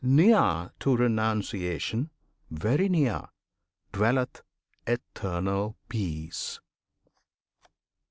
Near to renunciation very near Dwelleth Eternal Peace!